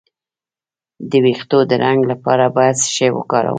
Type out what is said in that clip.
د ویښتو د رنګ لپاره باید څه شی وکاروم؟